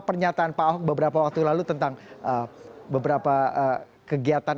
pernyataan pak ahok beberapa waktu lalu tentang beberapa kegiatan